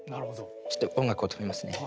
ちょっと音楽を止めますね。